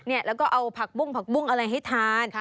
แล้วก็เอาผักบุ้งผักบุ้งอะไรให้ทาน